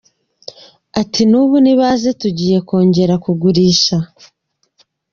Ati “N’ubu nibaze tugiye kongera kugurisha.